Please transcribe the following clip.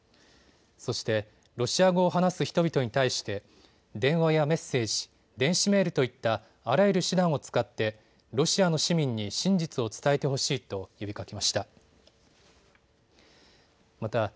そしてロシア語を話す人々に対して電話やメッセージ、電子メールといったあらゆる手段を使ってロシアの市民に真実を伝えてほしいと呼びかけました。